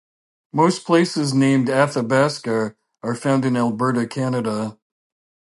Most places named Athabasca are found in Alberta, Canada.